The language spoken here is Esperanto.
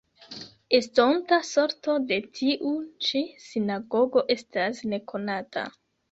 Estonta sorto de tiu ĉi sinagogo estas nekonata.